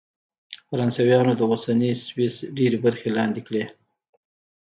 فرانسویانو د اوسني سویس ډېرې برخې لاندې کړې.